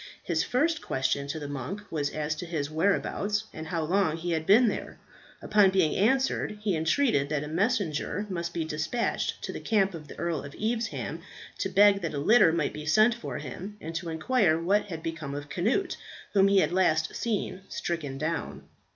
His first question to the monk was as to his whereabouts, and how long he had been there. Upon being answered, he entreated that a messenger might be despatched to the camp of the Earl of Evesham, to beg that a litter might be sent for him, and to inquire what had become of Cnut, whom he had last seen stricken down.